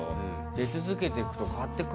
出続けていくと変わっていく。